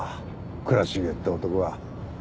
倉重って男は。